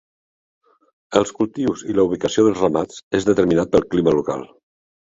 Els cultius i la ubicació dels ramats és determinat pel clima local.